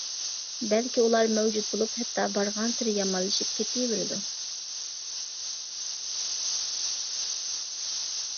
بەلكى ئۇلار مەۋجۇت بولۇپ، ھەتتا بارغانسېرى يامانلىشىپ كېتىۋېرىدۇ.